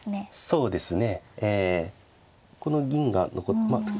そうですね。